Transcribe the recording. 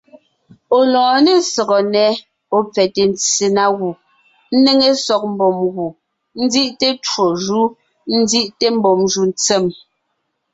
Ɔ̀ lɔɔn ne sɔgɔ nnɛ́, ɔ̀ pfɛte ntse na gù, ńnéŋe sɔg mbùm gù, ńzí’te twó jú, ńzí’te mbùm jù ntsèm.